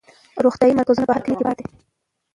روغتیایي مرکزونه په هر کلي کې پکار دي.